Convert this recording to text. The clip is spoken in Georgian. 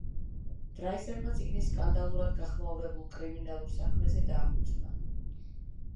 დრაიზერმა წიგნი სკანდალურად გახმაურებულ კრიმინალურ საქმეზე დააფუძნა.